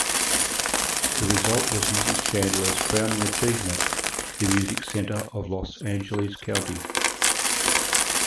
The result was Mrs. Chandler's crowning achievement, the Music Center of Los Angeles County.